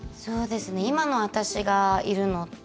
今の私がいるのって